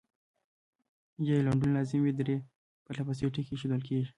یا یې لنډون لازم وي درې پرلپسې ټکي اېښودل کیږي.